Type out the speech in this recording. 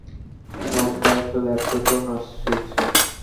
লম্বা একটা ল্যাপ্রেকন এসেছে।